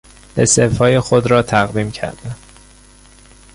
استعفای خود را تقدیم کردن